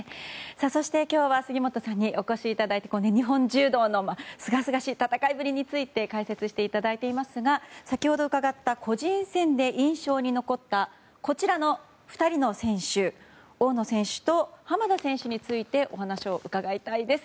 そして、今日は杉本さんにお越しいただいて日本柔道のすがすがしい戦いぶりについて解説していただいていますが先ほど伺った個人戦で印象に残ったこちらの２人の選手大野選手と濱田選手についてお話を伺いたいです。